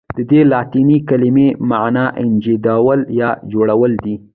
ددې لاتیني کلمې معنی ایجادول یا جوړول دي.